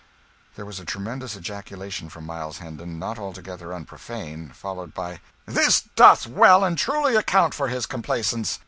There was a tremendous ejaculation from Miles Hendon not altogether unprofane followed by "This doth well and truly account for his complaisance!